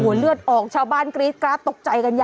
เลือดออกชาวบ้านกรี๊ดกราดตกใจกันใหญ่